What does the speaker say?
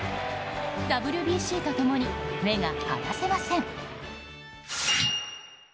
ＷＢＣと共に目が離せません。